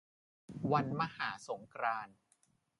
วันมหาสงกรานต์